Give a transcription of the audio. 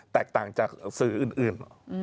แตกต่างจากสื่ออื่น